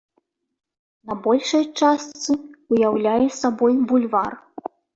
На большай частцы ўяўляе сабой бульвар.